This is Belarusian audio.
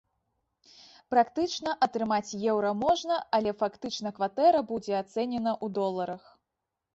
Практычна атрымаць еўра можна, але фактычна кватэра будзе ацэнена ў доларах.